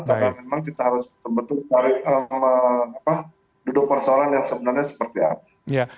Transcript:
karena memang kita harus sebetulnya mencari duduk persoalan yang sebenarnya seperti apa